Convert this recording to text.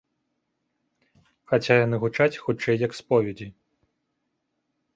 Хаця яны гучаць хутчэй як споведзі.